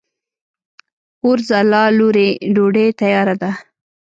اورځلا لورې! ډوډۍ تیاره ده؟